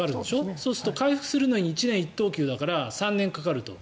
そうすると回復するのに１年１等級だから３年かかると。